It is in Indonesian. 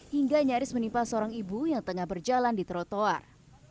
hingga nyaris menimpa seorang ibu yang tengah berjalan di trotoar